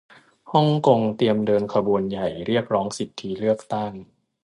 ฮ่องกงเตรียมเดินขบวนใหญ่เรียกร้องสิทธิเลือกตั้ง